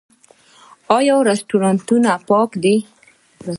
آیا رستورانتونه پاک دي؟